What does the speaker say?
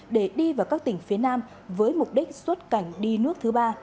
để đi vào các tỉnh phía nam với mục đích xuất cảnh đi nước thứ ba